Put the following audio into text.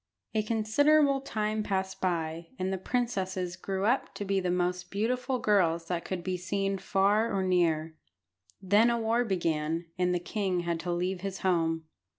A considerable time passed by, and the princesses grew up to be the most beautiful girls that could be seen far or near. Then a war began, and the king had to leave his home.